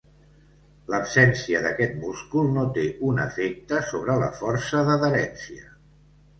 L'absència d'aquest múscul no té un efecte sobre la força d'adherència.